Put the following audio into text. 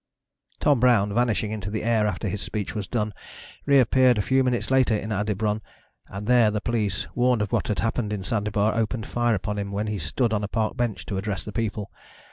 Tom Brown, vanishing into the air after his speech was done, reappeared a few minutes later in Adebron and there the police, warned of what had happened in Sandebar, opened fire upon him when he stood on a park bench to address the people.